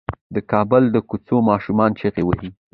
د کابل د کوڅو ماشومان چيغې وهي.